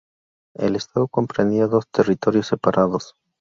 El estado comprendía dos territorios separados.